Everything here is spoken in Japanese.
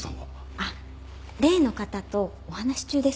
あっ例の方とお話し中です。